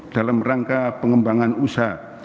dalam rangka pengembangan usaha